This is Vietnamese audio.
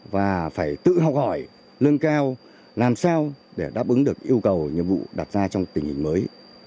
và phải tự học hỏi nâng cao làm sao để đáp ứng được yêu cầu nhiệm vụ đặt ra trong tình hình mới